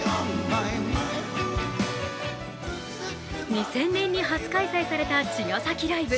２０００年に初開催された茅ヶ崎ライブ。